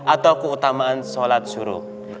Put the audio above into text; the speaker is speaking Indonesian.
atau keutamaan sholat suruk